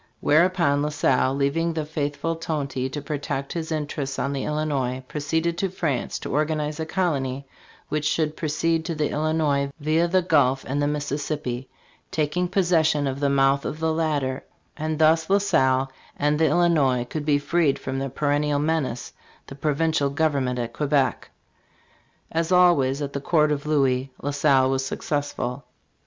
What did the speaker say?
Whereupon La Salle, leaving the faithful Tonty to protect his interests on the Illinois, proceeded to France to organize a colony which should proceed to the Illinois via the Gulf and the Mississippi, taking pos session of the mouth of the latter; and thus La Salle and the Illinois could be freed from their perennial menace, the provincial government at Quebec As always at the court of Louis, La Salle was successful.